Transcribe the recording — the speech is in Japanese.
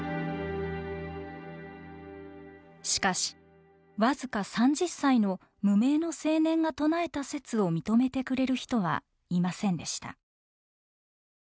しかし僅か３０歳の無名の青年が唱えた説を認めてくれる人はいませんでした。